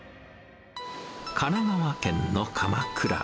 神奈川県の鎌倉。